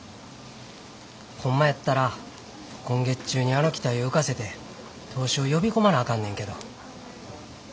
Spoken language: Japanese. ホンマやったら今月中にあの機体を浮かせて投資を呼び込まなあかんねんけど。